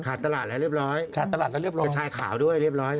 ตลาดแล้วเรียบร้อยขาดตลาดแล้วเรียบร้อยชายขาวด้วยเรียบร้อย